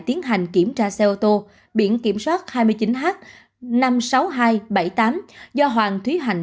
tiến hành kiểm tra xe ô tô biển kiểm soát hai mươi chín h năm mươi sáu nghìn hai trăm bảy mươi tám do hoàng thúy hạnh